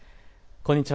こんにちは。